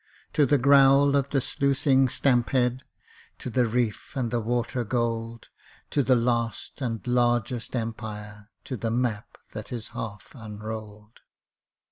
To the growl of the sluicing stamp head To the reef and the water gold, To the last and the largest Empire, To the map that is half unrolled!